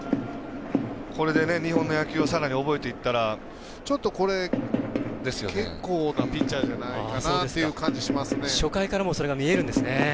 これで日本の野球をさらに覚えていったらちょっと、結構なピッチャーじゃないかなという感じがしますね。